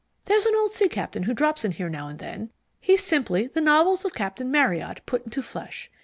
There's an old sea captain who drops in here now and then. He's simply the novels of Captain Marryat put into flesh.